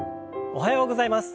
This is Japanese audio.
おはようございます。